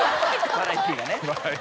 バラエティーね。